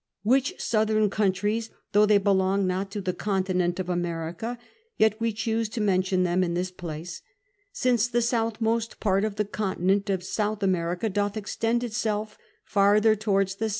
JFhich southern coiintrm, though they l)eJong not to the continent of America, yet w'e choose to mention them in this place, since tlie soutliiimst paHof the continent of S. America doth extend itself farther towards the S.